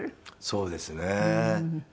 そうですね。